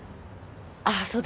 あっそうだ。